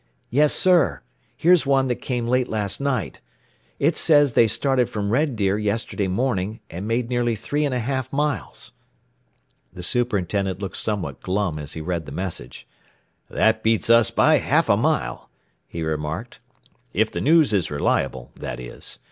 "Yes, sir; here's one that came late last night. "It says they started from Red Deer yesterday morning, and made nearly three and a half miles." The superintendent looked somewhat glum as he read the message. "That beats us by half a mile," he remarked. "If the news is reliable, that is.